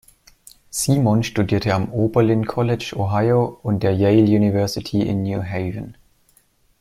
Simon studierte am Oberlin College, Ohio und der Yale University in New Haven.